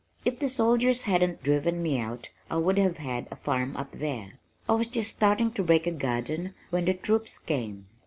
If the soldiers hadn't driven me out I would have had a farm up there. I was just starting to break a garden when the troops came."